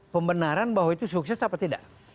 pembenaran bahwa itu sukses apa tidak